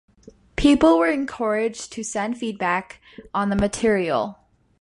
People were encouraged to send feedback on the material.